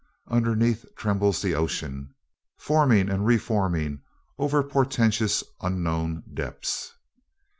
Underneath trembles the ocean, forming and re forming over portentous unknown depths.